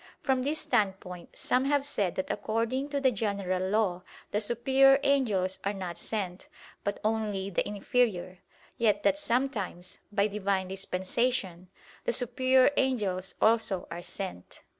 From this standpoint some have said that according to the general law the superior angels are not sent, but only the inferior; yet that sometimes, by Divine dispensation, the superior angels also are sent.